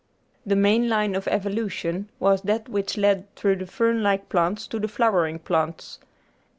11 The main line of evolution was that which led through the fern like plants to the flowering plants.